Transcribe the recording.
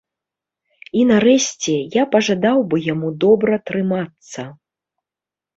І нарэшце, я пажадаў бы яму добра трымацца.